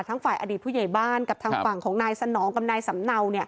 ฝ่ายอดีตผู้ใหญ่บ้านกับทางฝั่งของนายสนองกับนายสำเนา